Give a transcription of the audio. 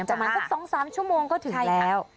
ประมาณสัก๒๓ชั่วโมงก็ถึงแล้ว